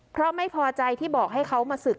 เพราะไม่พอใจที่บอกให้เขามาศึก